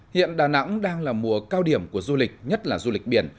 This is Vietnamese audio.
hiện đà nẵng đang là mùa cao điểm của du lịch nhất là du lịch biển